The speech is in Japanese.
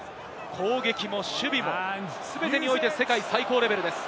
攻撃も守備も全てにおいて世界最高レベルです。